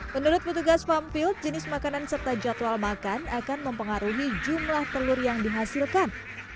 menurut petugas fampilk jenis makanan serta jadwal makan akan mempengaruhi jumlah telur yang dihasilkan